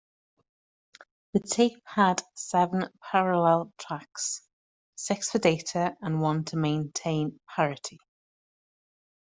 The tape had seven parallel tracks, six for data and one to maintain parity.